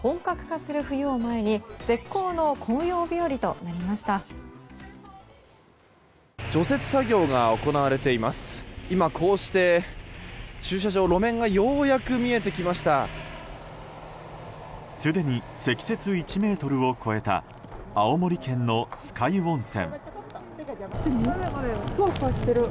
すでに積雪１ｍを超えた青森県の酸ヶ湯温泉。